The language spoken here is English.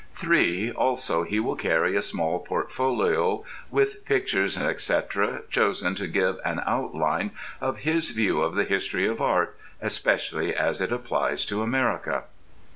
(3) Also he will carry a small portfolio with pictures, etc., chosen to give an outline of his view of the history of art, especially as it applies to America.